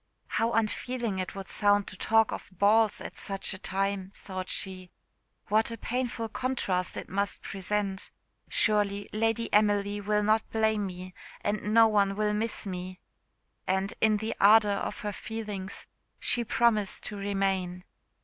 "How unfeeling it would sound to talk of balls at such a time," thought she; "what a painful contrast must it present! Surely Lady Emily will not blame me, and no one will miss me " And, in the ardour of her feelings, she promised to remain.